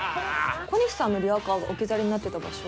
小西さんのリアカーが置き去りになってた場所。